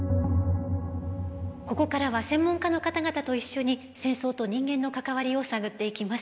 ここからは専門家の方々と一緒に戦争と人間の関わりを探っていきます。